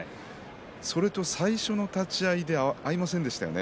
それと最初の立ち合いで合いませんでしたね。